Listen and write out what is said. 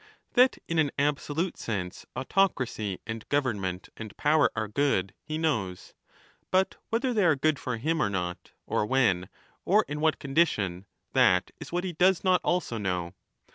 That in an absolute sense autocracy and government and power are good, he knows ; but whether they are good for him or not, or when, or in what condition, that is what he does not also know.